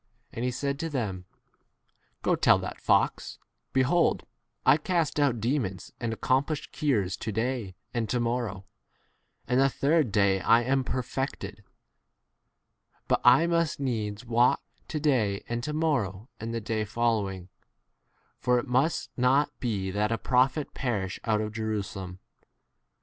And he said to them, Go, tell that fox, Behold, I cast out demons and accomplish cures to day and to morrow, and the 33 third [day] I am perfected : but I must needs walk to day and to morrow and the [day] following, for it must not be that a prophet 34 perish out of Jerusalem.